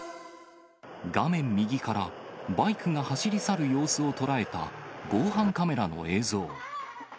画面右からバイクが走り去る様子を捉えた、防犯カメラの映像。